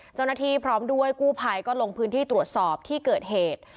เจ้าหน้าที่พร้อมด้วยกู้ภัยก็ลงพื้นที่ตรวจสอบที่เกิดเหตุ